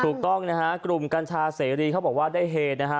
ถูกต้องนะฮะกลุ่มกัญชาเสรีเขาบอกว่าได้เฮนะฮะ